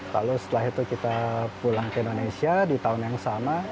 lalu setelah itu kita pulang ke indonesia di tahun yang sama